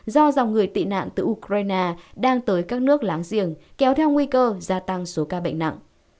do dòng người tị nạn từ ukraine đang tới các nước láng giềng kéo theo nguy cơ gia tăng số ca bệnh nặng